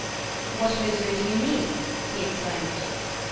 "What misery do you mean?" he exclaimed.